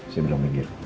saya belum mikir